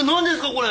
これ。